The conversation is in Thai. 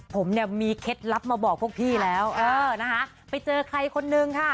ผมเนี่ยมีเคล็ดลับมาบอกพวกพี่แล้วเออนะคะไปเจอใครคนนึงค่ะ